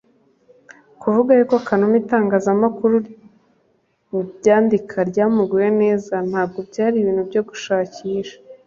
Kuvuga yuko Kanuma itangazamakuru ryandika ryamuguye neza ntabwo byari ibintu byo gushakisha